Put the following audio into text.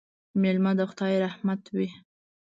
مېلمه د خدای رحمت وي